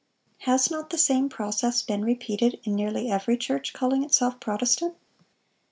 (637) Has not the same process been repeated in nearly every church calling itself Protestant?